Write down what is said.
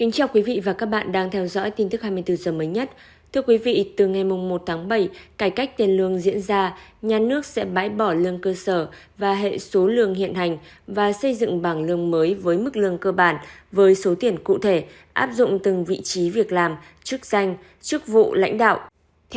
chào mừng quý vị đến với bộ phim hãy nhớ like share và đăng ký kênh của chúng mình nhé